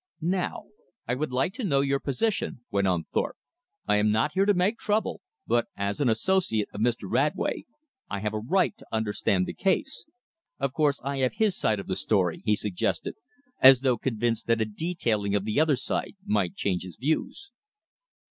"Now I would like to know your position," went on Thorpe. "I am not here to make trouble, but as an associate of Mr. Radway, I have a right to understand the case. Of course I have his side of the story," he suggested, as though convinced that a detailing of the other side might change his views.